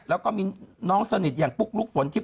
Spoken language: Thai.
แล้วก็มีน้องสนิทปุ๊กลูกฝนทิป